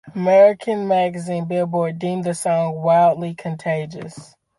American magazine "Billboard" deemed the song "wildly contagious".